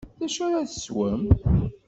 D acu ara teswem?